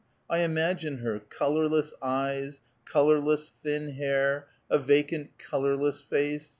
I imagine her : colorless eyes, colorless, thin hair, a vacant, colorless face.